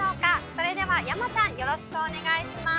それでは山ちゃんよろしくお願いします